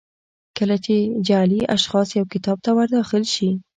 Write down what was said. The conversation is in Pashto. کله چې جعلي اشخاص یو کتاب ته ور داخل شي.